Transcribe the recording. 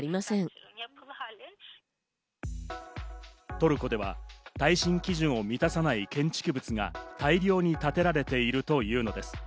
トルコでは耐震基準を満たさない建築物が大量に建てられているというのです。